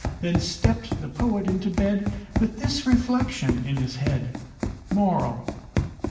Then stepp'd the poet into bed With this reflection in his head: MORAL.